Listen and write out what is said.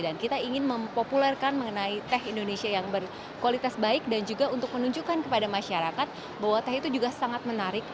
dan kita ingin mempopulerkan mengenai teh indonesia yang berkualitas baik dan juga untuk menunjukkan kepada masyarakat bahwa teh itu juga sangat menarik